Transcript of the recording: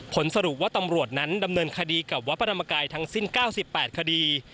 ผลสรุปว่าตำรวจนั้นดำเนินคดีกับวัดพระธรรมกายทั้งสิ้น๙๘คดี